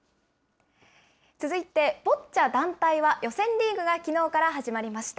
続いて、ボッチャ団体は予選リーグがきのうから始まりました。